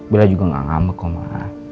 bella juga gak ngabek kok ma